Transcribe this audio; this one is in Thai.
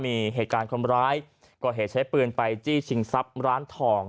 มีเหตุการณ์คนร้ายก่อเหตุใช้ปืนไปจี้ชิงทรัพย์ร้านทอง